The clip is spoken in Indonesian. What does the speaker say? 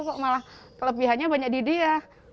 kalaulah kelebihannya banyak di dia